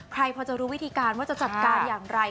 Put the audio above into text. ใครพอจะรู้วิธีการว่าจะจัดการอย่างไร